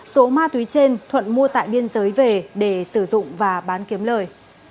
số ma túy trên thuận mua tại biên giới về để sử dụng và bán kiếm lời